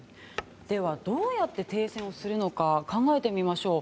では、どうやって停戦をするのか考えてみましょう。